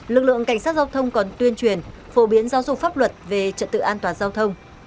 lực lượng cảnh sát giao thông còn tuyên truyền phổ biến giao dụng pháp luật về trận tự an toàn giao thông